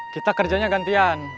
kita kerjanya gantian